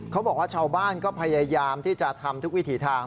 เขาบอกว่าชาวบ้านก็พยายามที่จะทำทุกวิถีทาง